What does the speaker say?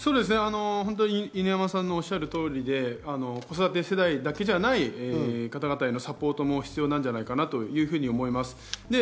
犬山さんのおっしゃる通りで子育て世代だけではない方々のサポートも必要なんじゃないかなと思います。